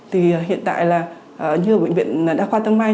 thì hiện tại là như bệnh viện đa khoa tân may